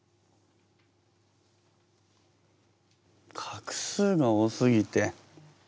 画数が多すぎて。